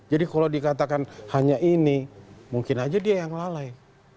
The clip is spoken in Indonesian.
jadi kalau dikatakan hanya ini mungkin saja dia yang lalai